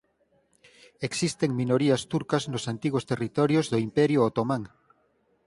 Existen minorías turcas nos antigos territorios do Imperio Otomán.